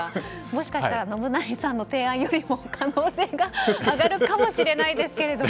もしかしたら信成さんの提案よりも再生回数が上がるかもしれないけど。